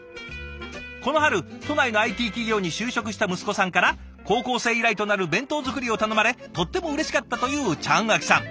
この春都内のＩＴ企業に就職した息子さんから高校生以来となる弁当作りを頼まれとってもうれしかったというちゃんあきさん。